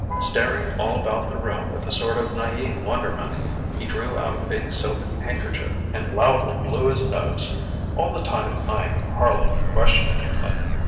Staring all about the room with a sort of naive wonderment, he drew out a big silk handkerchief and loudly blew his nose, all the time eyeing Harley questioningly.